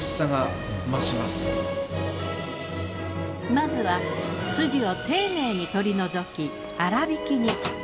まずは筋を丁寧に取り除き粗挽きに。